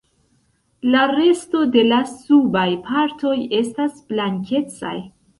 La resto de la subaj partoj estas blankecaj.